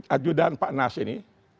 ajudan pak nas ini